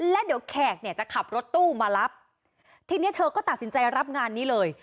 แล้วเดี๋ยวแขกเนี่ยจะขับรถตู้มารับทีนี้เธอก็ตัดสินใจรับงานนี้เลย